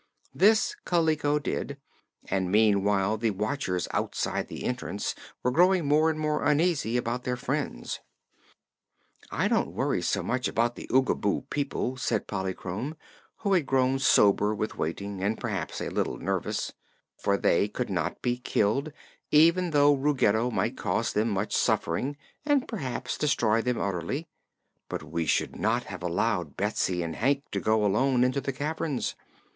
This Kaliko did, and meanwhile the watchers outside the entrance were growing more and more uneasy about their friends. "I don't worry so much about the Oogaboo people," said Polychrome, who had grown sober with waiting, and perhaps a little nervous, "for they could not be killed, even though Ruggedo might cause them much suffering and perhaps destroy them utterly. But we should not have allowed Betsy and Hank to go alone into the caverns.